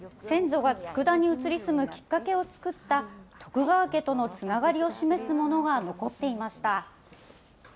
先祖が佃に移り住むきっかけを作った徳川家とのつながりを示すものが残っていました。